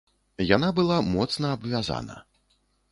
Яна была моцна абвязана.